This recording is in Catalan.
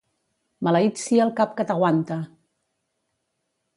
Maleït sia el cap que t'aguanta!